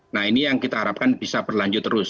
nah ini yang kita harapkan bisa berlanjut terus